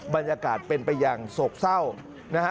บรรยากาศเป็นไปอย่างโศกเศร้านะฮะ